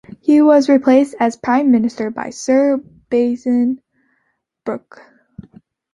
He was replaced as Prime Minister by Sir Basil Brooke.